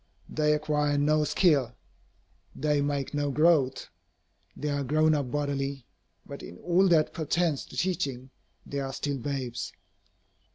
They acquire no skill. They make no growth. They are "grown up" bodily. But in all that pertains to teaching, they are still babes.